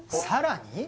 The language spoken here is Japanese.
さらに？